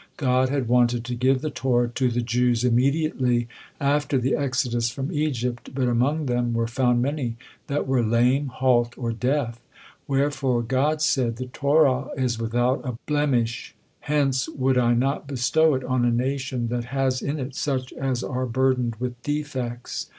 God had wanted to give the Torah to the Jews immediately after the exodus from Egypt, but among them were found many that were lame, halt, or deaf; wherefore God said: "The Torah is without a blemish, hence would I not bestow it on a nation that has in it such as are burdened with defects.